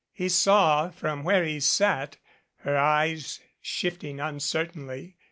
He saw from where he sat her eyes shifting uncertainly.